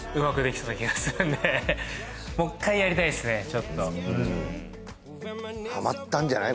ちょっとうんハマったんじゃない？